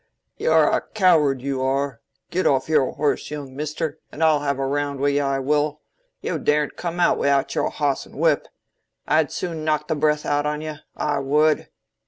"Yo're a coward, yo are. Yo git off your horse, young measter, and I'll have a round wi' ye, I wull. Yo daredn't come on wi'out your hoss an' whip. I'd soon knock the breath out on ye, I would."